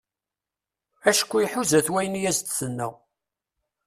Acku iḥuza-t wayen i as-d-tenna.